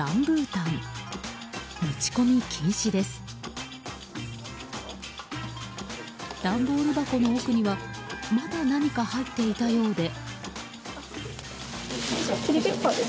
ダンボール箱の奥にはまだ何か入っていたようで。